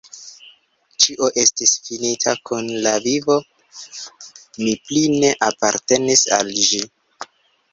Ĉio estis finita kun la vivo: mi pli ne apartenis al ĝi.